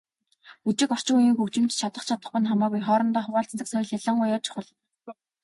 Бүжиг, орчин үеийн хөгжимд чадах чадахгүй нь хамаагүй хоорондоо хуваалцдаг соёл ялангуяа чухал.